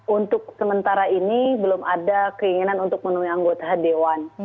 untuk sementara ini belum ada keinginan untuk menemui anggota dewan